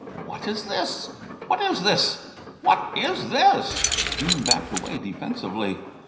"What is this what is this what is this?" Bean backed away defensively.